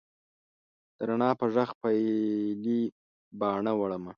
د رڼا په ږغ پیلې باڼه وړمه